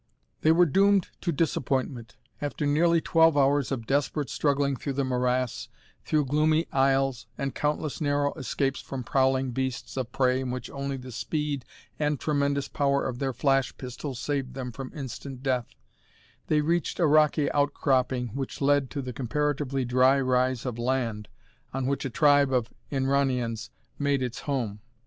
They were doomed to disappointment. After nearly twelve hours of desperate struggling through the morass, through gloomy aisles, and countless narrow escapes from prowling beasts of prey in which only the speed and tremendous power of their flash pistols saved them from instant death, they reached a rocky outcropping which led to the comparatively dry rise of land on which a tribe of Inranians made its home.